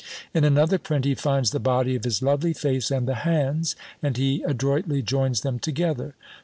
In another print, he finds the body of his lovely face and the hands, and he adroitly joins them together.